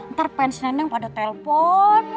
ntar pensiunan yang pada telpon